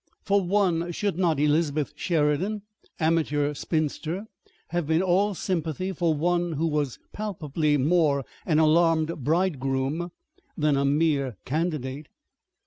For one, should not Elizabeth Sheridan, amateur spinster, have been all sympathy for one who was palpably more an alarmed bridegroom than a mere candidate?